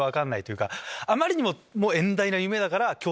あまりにも。